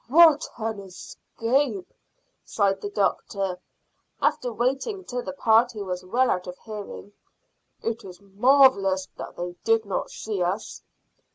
"What an escape!" sighed the doctor, after waiting till the party was well out of hearing. "It is marvellous that they did not see us."